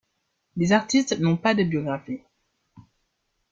Les artistes n'ont pas de biographie.